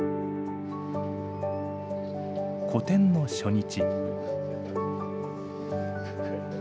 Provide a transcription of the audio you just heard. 個展の初日。